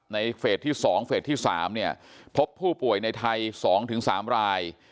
ในเฟสที่สองเฟสที่สามเนี่ยพบผู้ป่วยในไทยสองถึงสามราย